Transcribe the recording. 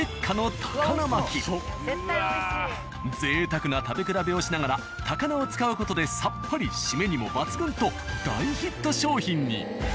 贅沢な食べ比べをしながら高菜を使う事でさっぱり締めにも抜群と大ヒット商品に。